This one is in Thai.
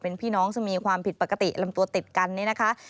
เป็นพี่น้องซึ่งมีความผิดปกติลำตัวติดกันนี่นะคะ